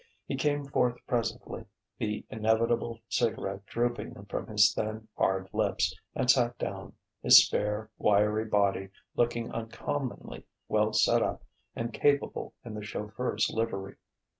He came forth presently, the inevitable cigarette drooping from his thin, hard lips, and sat down, his spare, wiry body looking uncommonly well set up and capable in the chauffeur's livery.